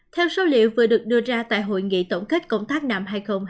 theo số liệu vừa được đưa ra tại hội nghị tổng kết công tác năm hai nghìn hai mươi ba